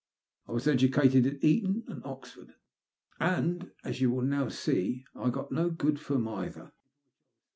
I was educated at Eton and Oxford ; and, as you will now see, I got no good from either.